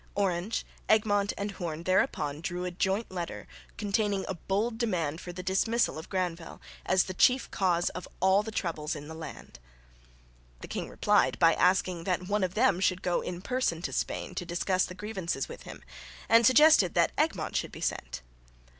Orange, Egmont and Hoorn thereupon drew up a joint letter containing a bold demand for the dismissal of Granvelle, as the chief cause of all the troubles in the land. The king replied by asking that one of them should go in person to Spain to discuss the grievances with him, and suggesting that Egmont should be sent.